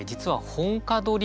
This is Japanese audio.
本歌取り？